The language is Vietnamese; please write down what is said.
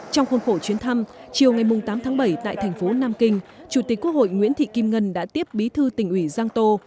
trong khuôn khổ chuyến thăm chiều ngày tám tháng bảy tại thành phố nam kinh chủ tịch quốc hội nguyễn thị kim ngân đã tiếp bí thư tỉnh ủy giang tô